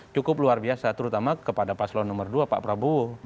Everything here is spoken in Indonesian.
cukup luar biasa terutama kepada paslon nomor dua pak prabowo